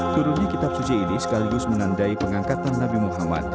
turunnya kitab suci ini sekaligus menandai pengangkatan nabi muhammad